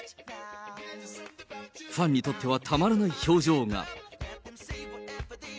ファンにとってはたまらない表情が。